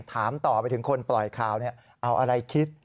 ถามต่อไปถึงคนปล่อยข่าวเอาอะไรคิด